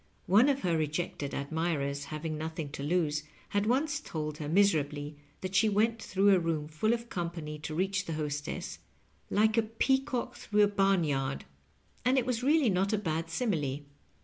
One of her rejected admirers, having nothing to lose, had once told her miserably that she went through a room fall of company to reach the hostess, ^^like a peacock through a barn yard,'' and it was really not a bad simile.